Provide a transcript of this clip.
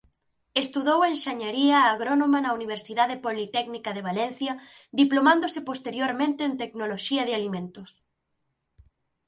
Estudou enxeñaría agrónoma na Universidade Politécnica de Valencia diplomándose posteriormente en tecnoloxía de alimentos.